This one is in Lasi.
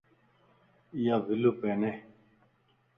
ايا بلو پين ائي.